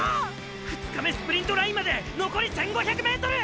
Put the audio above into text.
２日目スプリントラインまでのこり１５００ｍ！！